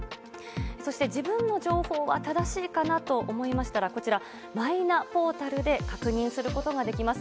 そして自分の情報は正しいかなと思いましたらこちら、マイナポータルで確認することができます。